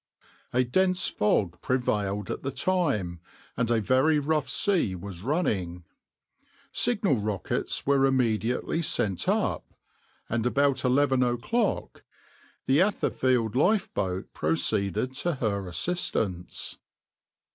A dense fog prevailed at the time, and a very rough sea was running. Signal rockets were immediately sent up, and about eleven o'clock the Atherfield lifeboat proceeded to her assistance.